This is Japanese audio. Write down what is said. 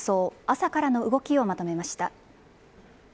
朝からの動きをまとめました。